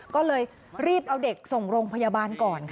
ก็เลยรีบเอาเด็กส่งโรงพยาบาลก่อนค่ะ